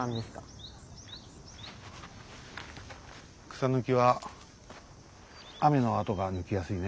草抜きは雨のあとが抜きやすいね。